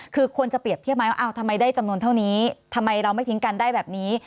คือคนจะเปรียบเทียบไหมว่าทำไมได้จำนวนเท่านี้ทำไมเราไม่ทิ้งกันได้แบบนี้